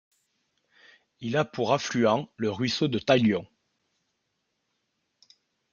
Il a pour affluent le ruisseau de Taillion.